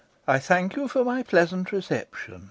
I thank you for my pleasant reception.